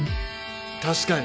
確かに。